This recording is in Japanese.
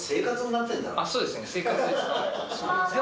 そうですね生活です。